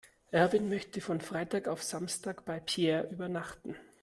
Erwin möchte von Freitag auf Samstag bei Peer übernachten.